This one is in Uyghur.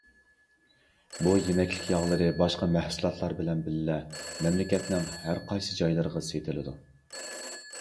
بۇ يېمەكلىك ياغلىرى باشقا مەھسۇلاتلار بىلەن بىللە مەملىكەتنىڭ ھەر قايسى جايلىرىغا سېتىلىدۇ.